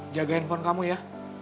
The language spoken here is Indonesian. jagain phone kamu ya